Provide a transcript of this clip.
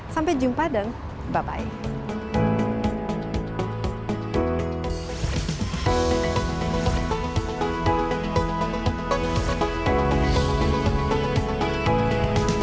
sampai jumpa dan bye